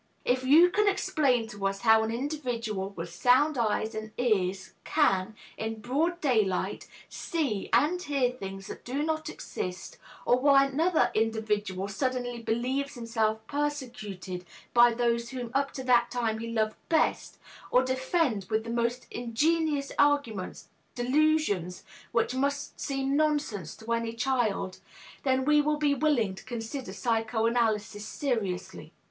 If you can explain to us how an individual with sound eyes and ears can, in broad daylight, see and hear things that do not exist, or why another individual suddenly believes himself persecuted by those whom up to that time he loved best, or defend, with the most ingenious arguments, delusions which must seem nonsense to any child, then we will be willing to consider psychoanalysis seriously.